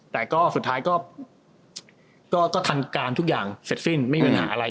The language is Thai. แต่ก็สุดท้ายก็ทันการทุกอย่างเสร็จสิ้นไม่มีปัญหาอะไร